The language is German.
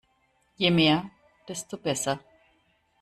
Je mehr, desto besser.